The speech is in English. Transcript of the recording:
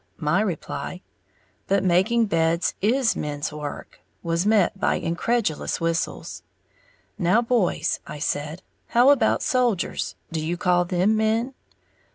My reply, "But making beds is men's work," was met by incredulous whistles. "Now, boys," I said, "how about soldiers, do you call them men?"